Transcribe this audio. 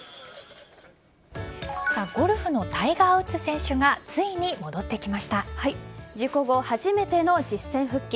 ゴルフのタイガー・ウッズ選手が事故後、初めての実戦復帰。